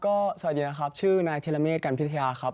ก็สวัสดีนะครับชื่อนายธิรเมฆกันพิทยาครับ